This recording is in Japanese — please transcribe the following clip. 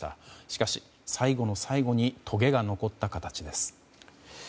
しかし最後の最後にとげが残った形です。